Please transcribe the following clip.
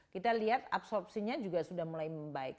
kita lihat absorpsinya juga sudah mulai membaik